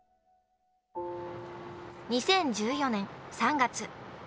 ２０１４年３月。